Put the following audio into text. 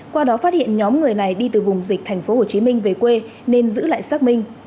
qua đó phát hiện nhóm người này đi từ vùng dịch tp hồ chí minh về quê nên giữ lại xác minh